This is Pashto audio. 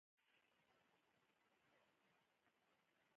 د هیواد په دننه کې هم د کتاب بازار سوړ شوی.